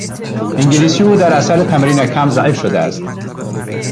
انگلیسی او در اثر تمرین کم ضعیف شده است.